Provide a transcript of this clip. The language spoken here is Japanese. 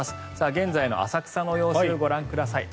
現在の浅草の様子ご覧ください。